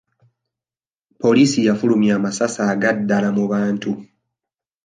Poliisi yafulmya amasasi aga ddala mu bantu.